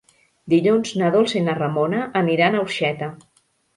Dilluns na Dolça i na Ramona aniran a Orxeta.